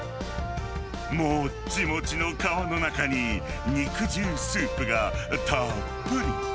もっちもちの皮の中に、肉汁スープがたっぷり。